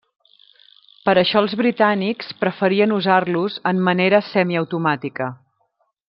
Per això els britànics preferien usar-los en manera semiautomàtica.